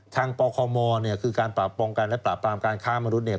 ปคมเนี่ยคือการปราบป้องกันและปราบปรามการค้ามนุษย์เนี่ย